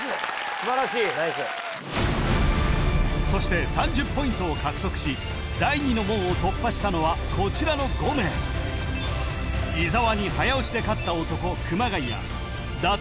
素晴らしいナイスそして３０ポイントを獲得し第二の門を突破したのはこちらの５名伊沢に早押しで勝った男熊谷や打倒